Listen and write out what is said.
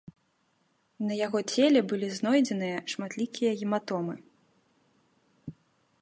На яго целе былі знойдзеныя шматлікія гематомы.